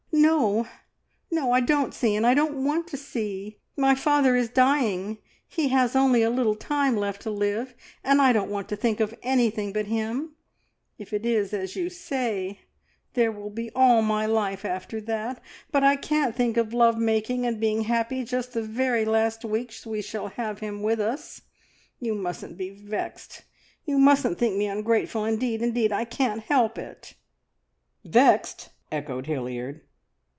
"No, no! I don't see, and I don't want to see. My father is dying he has only a little time to live, and I don't want to think of anything but him. If it is as you say, there will be all my life after that, but I can't think of love making and being happy just the very last weeks we shall have him with us. You mustn't be vexed; you mustn't think me ungrateful. Indeed, indeed I can't help it!" "Vexed!" echoed Hilliard.